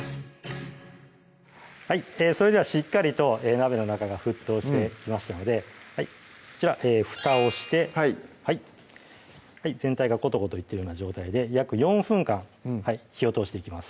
それではしっかりと鍋の中が沸騰してきましたので蓋をしてはい全体がコトコトいってるような状態で約４分間火を通していきます